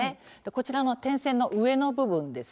こちらの点線の上の部分